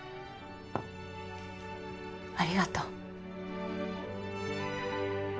ありがとう。